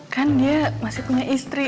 kan dia masih punya istri